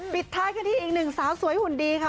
ปิดท้ายกันที่อีกหนึ่งสาวสวยหุ่นดีค่ะ